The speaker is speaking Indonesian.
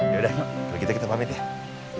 ya udah kita kita pamit ya